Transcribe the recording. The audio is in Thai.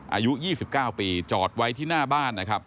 อายุ๒๙ปีจอดไว้ที่หน้าบ้าน